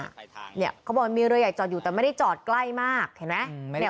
เขาบอกมันมีเรือใหญ่จอดอยู่แต่ไม่ได้จอดใกล้มากเห็นไหม